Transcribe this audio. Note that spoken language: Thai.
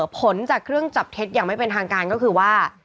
ผลจากเครื่องจับเท็จอย่างไม่เป็นทางการก็คือว่า